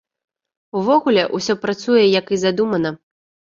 Увогуле, усё працуе, як і задумана.